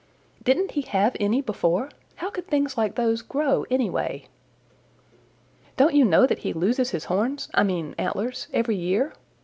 "Didn't he have any before? How could things like those grow, anyway?" "Don't you know that he loses his horns, I mean antlers, every year?"